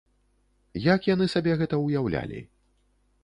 Як яны сабе гэта ўяўлялі?